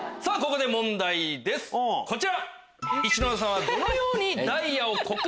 ここで問題ですこちら！